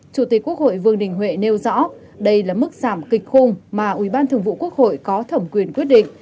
chủ tịch quốc hội vương đình huệ nêu rõ đây là mức giảm kịch khung mà ủy ban thường vụ quốc hội có thẩm quyền quyết định